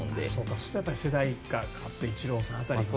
そうすると世代間だとイチローさん辺りかな。